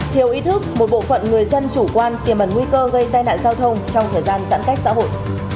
thiếu ý thức một bộ phận người dân chủ quan tiềm ẩn nguy cơ gây tai nạn giao thông trong thời gian giãn cách xã hội